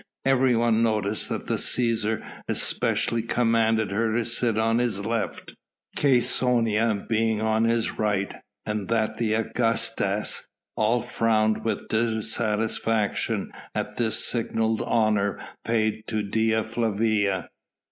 Everyone noticed that the Cæsar specially commanded her to sit on his left, Cæsonia being on his right, and that the Augustas all frowned with dissatisfaction at this signal honour paid to Dea Flavia.